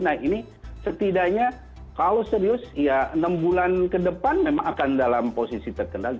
nah ini setidaknya kalau serius ya enam bulan ke depan memang akan dalam posisi terkendali